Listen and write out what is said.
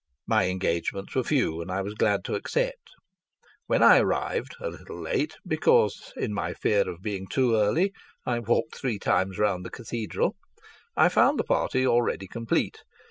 My engagements were few, and I was glad to accept. When I arrived, a little late, because in my fear of being too early I had walked three times round the cathedral, I found the party already complete.